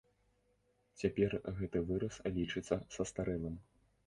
Цяпер гэты выраз лічыцца састарэлым.